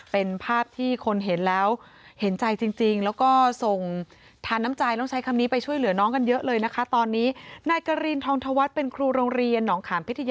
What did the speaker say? เป็นภาพที่คนเห็นแล้วเห็นใจจริงจริง